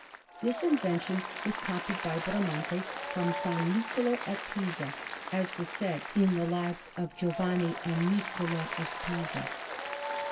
This invention was copied by Bramante from S. Niccolò at Pisa, as was said in the Lives of Giovanni and Niccola of Pisa.